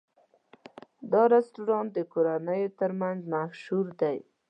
دا رستورانت د کورنیو تر منځ مشهور دی.